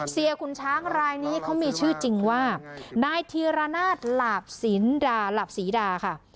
ขุนช้างรายนี้เขามีชื่อจริงว่านายธีรนาศหลาบสินดาหลาบศรีดาค่ะ